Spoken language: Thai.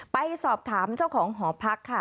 ไปสอบถามเจ้าของหอพักค่ะ